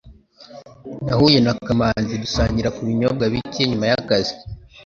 Nahuye na Kamanzi dusangira kubinyobwa bike nyuma yakazi.